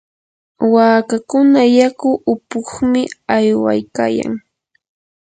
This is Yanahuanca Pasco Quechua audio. waakakuna yaku upuqmi aywaykayan.